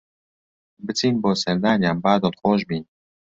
بچین بۆ سەردانیان با دڵخۆش بین